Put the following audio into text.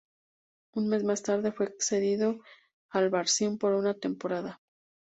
Un mes más tarde fue cedido al Varzim por una temporada.